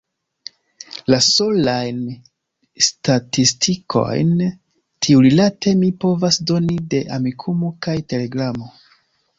La solajn statistikojn tiurilate mi povas doni de Amikumu kaj Telegramo.